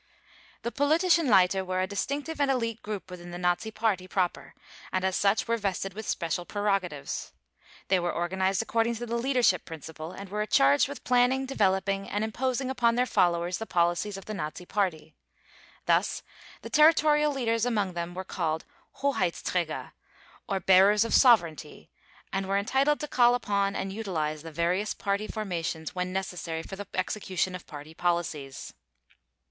The Politischen Leiter were a distinctive and elite group within the Nazi Party proper and as such were vested with special prerogatives. They were organized according to the Leadership Principle and were charged with planning, developing and imposing upon their followers the policies of the Nazi Party. Thus the territorial leaders among them were called Hoheitsträger, or bearers of sovereignty, and were entitled to call upon and utilize the various Party formations when necessary for the execution of Party policies.